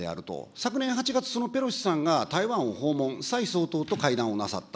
昨年８月、そのペロシさんが台湾を訪問、蔡総統と会談をなさった。